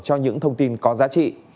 cho những thông tin có giá trị